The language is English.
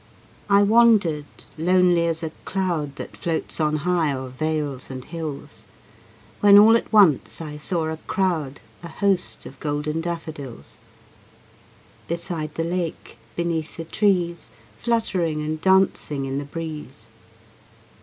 I wandered lonely as a cloud That floats on high o'er vales and hills, When all at once I saw a crowd, A host of golden daffodils: Beside the lake, beneath the trees, Fluttering and dancing in the breeze.